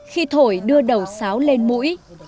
khi thổi đưa đầu sáo lên mũi